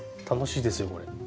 楽しいですよこれ。